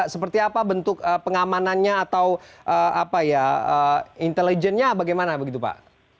seperti apa bentuk pengamanannya atau apa ya intelijennya bagaimana begitu pak